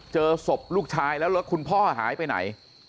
เจอศพลูกชายแล้วรถคุณพ่อหายไปไหน